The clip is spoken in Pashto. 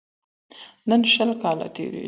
نن شل کاله تیریږي